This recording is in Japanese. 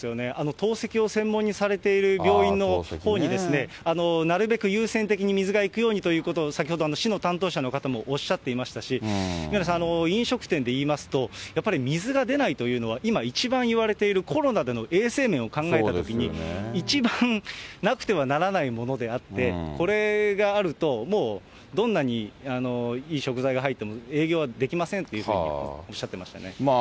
透析を専門にされている病院のほうに、なるべく優先的に水が行くようにということを、先ほど、市の担当者の方もおっしゃっていましたし、宮根さん、飲食店でいいますと、やっぱり水が出ないというのは、今、一番いわれているコロナでの衛生面を考えたときに、一番なくてはならないものであって、これがあるともう、どんなにいい食材が入っても、営業はできませんというふうにおっしゃってましたね。